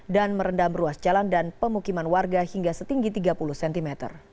dan merendam ruas jalan dan pemukiman warga hingga setinggi tiga puluh cm